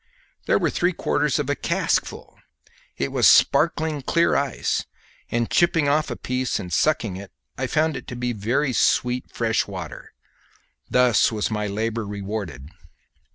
There were three quarters of a cask full. It was sparkling clear ice, and chipping off a piece and sucking it, I found it to be very sweet fresh water. Thus was my labour rewarded.